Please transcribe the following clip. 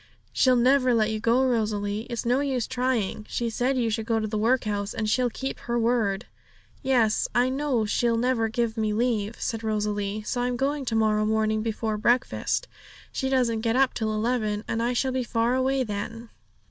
'She'll never let you go, Rosalie; it's no use trying. She said you should go to the workhouse, and she'll keep her word!' 'Yes, I know she'll never give me leave,' said Rosalie; 'so I'm going to morrow morning before breakfast. She doesn't get up till eleven, and I shall be far away then.'